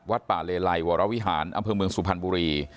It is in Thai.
ป่าเลไลวรวิหารอำเภอเมืองสุพรรณบุรี